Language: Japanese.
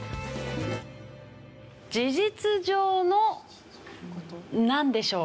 事実上のなんでしょう？